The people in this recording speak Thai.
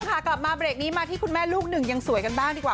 กลับมาเบรกนี้มาที่คุณแม่ลูกหนึ่งยังสวยกันบ้างดีกว่า